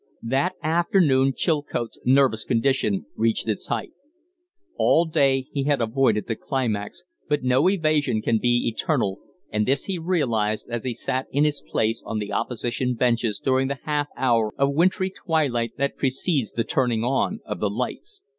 That afternoon Chilcote's nervous condition reached its height. All day he had avoided the climax, but no evasion can be eternal, and this he realized as he sat in his place on the Opposition benches during the half hour of wintry twilight that precedes the turning on of the lights.